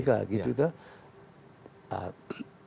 ketika gitu kan